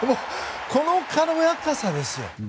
この軽やかさですよ！